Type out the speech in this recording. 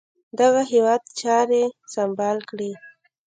دغه هیواد چاري سمبال کړي.